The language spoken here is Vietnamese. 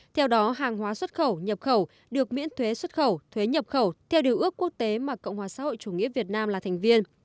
theo đó hàng hóa xuất khẩu nhập khẩu được miễn thuế xuất khẩu thuế nhập khẩu theo điều ước quốc tế mà cộng hòa xã hội chủ nghĩa việt nam là thành viên